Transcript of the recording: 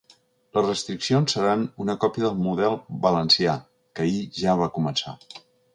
Les restriccions seran una còpia del model valencià, que ahir ja va començar.